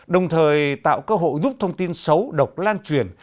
đồng thời tạo cơ hội giúp thông tin xấu độc lan truyền